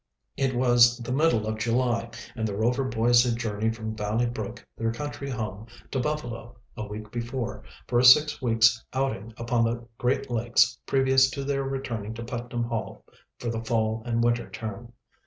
It was the middle of July, and the Rover boys had journeyed from Valley Brook, their country home, to Buffalo, a week before, for a six weeks' outing upon the Great Lakes previous to their returning to Putnam Hall for the fall and winter term.